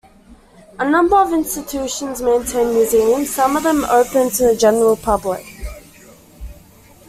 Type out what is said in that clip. A number of institutions maintain museums, some of them open to the general public.